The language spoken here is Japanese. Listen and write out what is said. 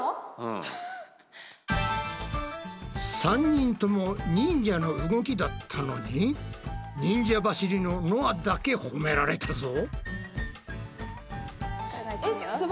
３人とも忍者の動きだったのに忍者走りののあだけ褒められたぞ。